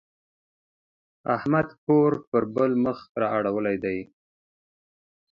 احمد کور پر بل مخ را اړولی دی.